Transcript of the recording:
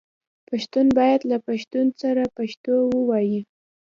پښتون باید له پښتون سره پښتو ووايي